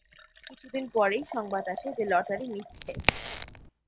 কিছুদিন পরেই সংবাদ আসে যে লটারি মিথ্যে।